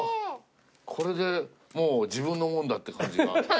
これでもう自分の物だって感じが。